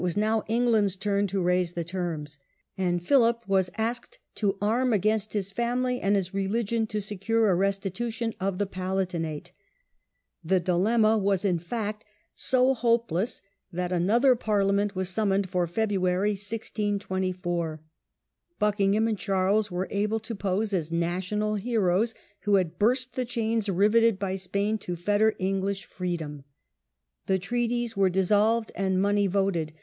was now England's turn to raise the terms, and Philip was asked to arm against his family and his religion to secure a restitution of the Palatinate. The dilemma was in fact so hopeless that another Parliament was summoned for February, 1624. Buckingham and Charles were able to pose as national heroes, who had burst the chains riveted by Spain to fetter English freedom. DEATH OF JAMES I. 1 9 The treaties were dissolved and money voted.